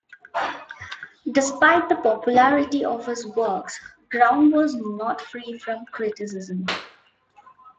Despite the popularity of his works, Graun was not free from criticism.